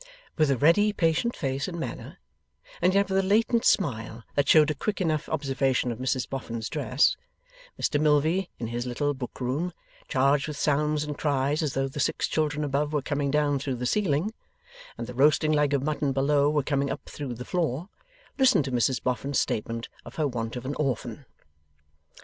With a ready patient face and manner, and yet with a latent smile that showed a quick enough observation of Mrs Boffin's dress, Mr Milvey, in his little book room charged with sounds and cries as though the six children above were coming down through the ceiling, and the roasting leg of mutton below were coming up through the floor listened to Mrs Boffin's statement of her want of an orphan.